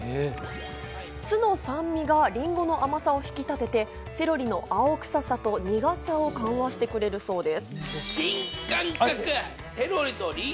酢の酸味がりんごの甘さを引き立てて、セロリの青臭さと苦さを緩和してくれるそうです。